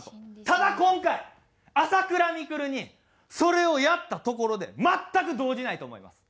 ただ今回朝倉未来にそれをやったところで全く動じないと思います。